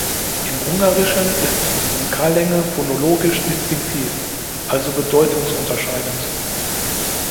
Im Ungarischen ist die Vokallänge phonologisch distinktiv, also bedeutungsunterscheidend.